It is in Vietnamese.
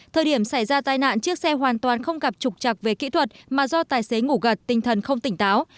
thời điểm xảy ra tai nạn chiếc xe hoàn toàn không gặp trục trặc về kỹ thuật mà do tài xế ngủ gật tinh thần không tỉnh táo